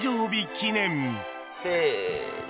記念せの。